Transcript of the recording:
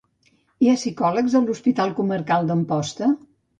Hi ha psicòlegs a l'Hospital Comarcal d'Amposta?